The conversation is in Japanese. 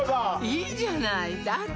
いいじゃないだって